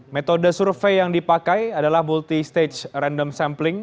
metode survei yang dipakai adalah multi stage random sampling